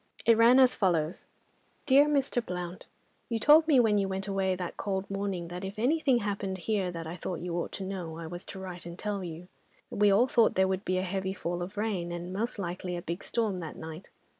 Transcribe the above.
It ran as follows:— "DEAR MR. BLOUNT,—You told me when you went away that cold morning, that if anything happened here that I thought you ought to know, I was to write and tell you. We all thought there would be a heavy fall of rain, and most likely a big storm that night.